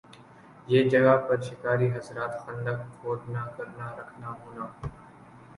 یِہ جگہ پر شکاری حضرات خندق کھودنا کرنا رکھنا ہونا